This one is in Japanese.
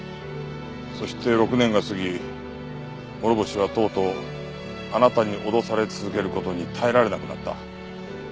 そして６年が過ぎ諸星はとうとうあなたに脅され続ける事に耐えられなくなった。